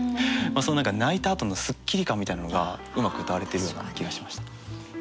その何か泣いたあとのすっきり感みたいなのがうまくうたわれているような気がしました。